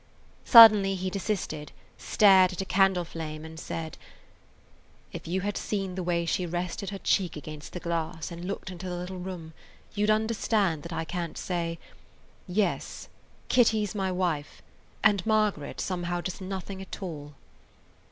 Suddenly he desisted, stared at a candle flame, and said: "If you had seen the way she rested her cheek against the glass and looked into the [Page 80] little room you 'd understand that I can't say, 'Yes, Kitty 's my wife, and Margaret somehow just nothing at all.'"